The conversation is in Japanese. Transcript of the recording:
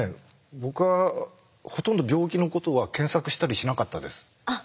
僕はほとんど病気のことは検索したりしなかったです。